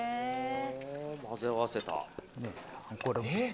混ぜ合わせた。